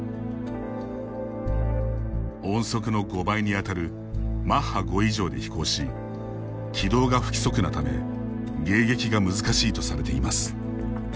音速の５倍に当たるマッハ５以上で飛行し軌道が不規則なため迎撃が難しいとされています。